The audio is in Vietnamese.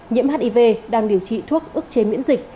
nhiễm hiv đang điều trị thuốc ức chế miễn dịch